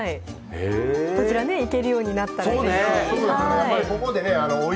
こちら、行けるようになったらぜひ。